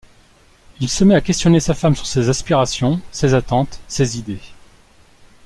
Il se met à questionner sa femme sur ses aspirations, ses attentes, ses idées...